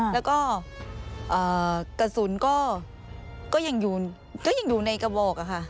แล้วก็กระสุนก็ยังอยู่ในกระบอกค่ะ